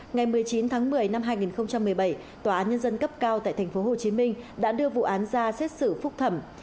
ngày một mươi chín tháng một mươi năm hai nghìn một mươi bảy tòa án nhân dân cấp cao tại tp hcm đã đưa vụ án ra xét xử phúc thẩm